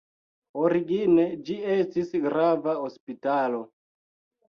Origine ĝi estis grava hospitalo.